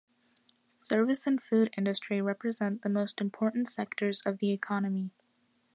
Service and food industry represent the most important sectors of the economy.